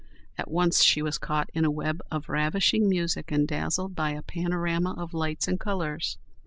At once she was caught in a web of ravishing music and dazzled by a panorama of lights and colours.